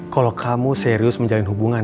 kalau kamu serius menjalin hubungan